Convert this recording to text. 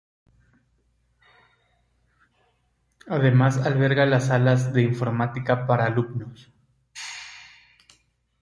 Además alberga las salas de Informática para alumnos.